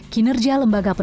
kinerja lembaga penerbitan